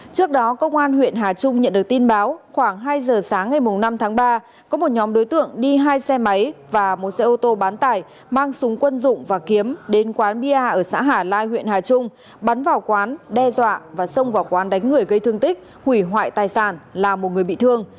trước đó công an huyện hà trung nhận được tin báo khoảng hai giờ sáng ngày năm tháng ba có một nhóm đối tượng đi hai xe máy và một xe ô tô bán tải mang súng quân dụng và kiếm đến quán bia ở xã hà lai huyện hà trung bắn vào quán đe dọa và xông vào quán đánh người gây thương tích hủy hoại tài sản là một người bị thương